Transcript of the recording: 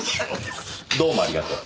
どうもありがとう。